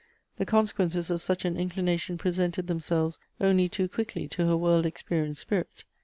The consequences of such an inclination presented themselves only too quickly to her 94 Goethe's world experienced spirit.